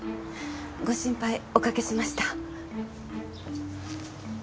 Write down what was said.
ご心配おかけしました。